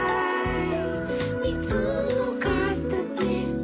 「みずのかたち」